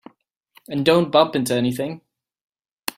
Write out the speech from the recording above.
And don't bump into anything.